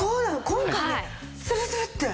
今回ねスルスルッて。